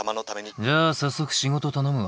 じゃあ早速仕事頼むわ。